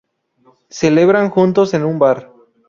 Celebran juntos en un bar..